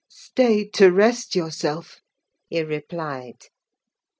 "Stay to rest yourself," he replied.